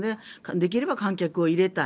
できれば観客を入れたい。